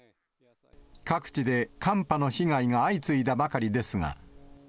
各地で寒波の被害が相次いでばかりですが。